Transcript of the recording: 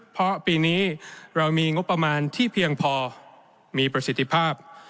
เพราะปีนี้เรามีงบประมาณที่เพียงพอมีประสิทธิภาพ